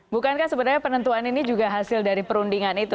bukankah sebenarnya penentuan ini juga hasil dari perundingan itu